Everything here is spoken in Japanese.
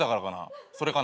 それかな？